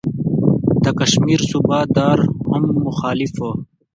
د کشمیر صوبه دار هم مخالف وو.